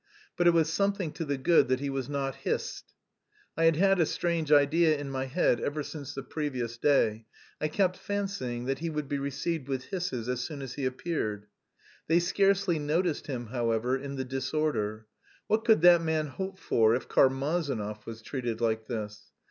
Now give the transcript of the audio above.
But it was something to the good that he was not hissed. I had had a strange idea in my head ever since the previous day: I kept fancying that he would be received with hisses as soon as he appeared. They scarcely noticed him, however, in the disorder. What could that man hope for if Karmazinov was treated like this?